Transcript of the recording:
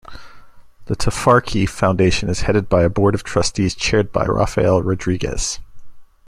The Tafarki Foundation is headed by a board of trustees chaired by Rafael Rodriguez.